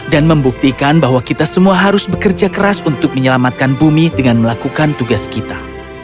membuktikan bahwa kita semua harus bekerja keras untuk menyelamatkan bumi dengan melakukan tugas kita